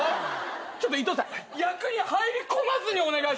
ちょっと伊藤さん役に入り込まずにお願いします。